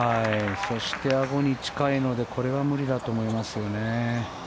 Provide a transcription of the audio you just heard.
そしてあごに近いのでこれは無理だと思いますね。